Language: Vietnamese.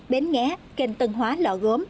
bến nghé kênh tân hóa lọ gốm